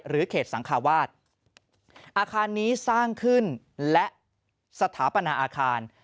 เขตสังคาวาสอาคารนี้สร้างขึ้นและสถาปนาอาคาร